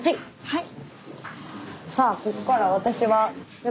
はい。